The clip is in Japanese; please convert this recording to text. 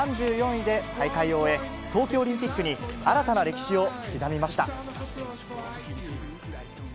３４位で大会を終え、冬季オリンピックに新たな歴史を刻みました。